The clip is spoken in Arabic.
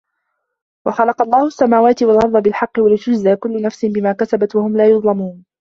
وَخَلَقَ اللَّهُ السَّماواتِ وَالأَرضَ بِالحَقِّ وَلِتُجزى كُلُّ نَفسٍ بِما كَسَبَت وَهُم لا يُظلَمونَ